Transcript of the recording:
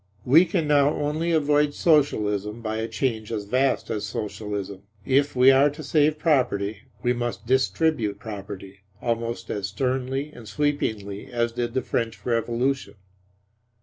We can now only avoid Socialism by a change as vast as Socialism. If we are to save property, we must distribute property, almost as sternly and sweepingly as did the French Revolution.